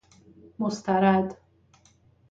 مسترد